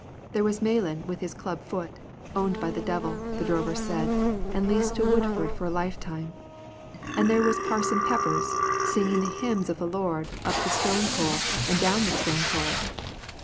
There was Malan with his clubfoot, owned by the devil, the drovers said, and leased to Woodford for a lifetime. And there was Parson Peppers, singing the hymns of the Lord up the Stone Coal and down the Stone Coal.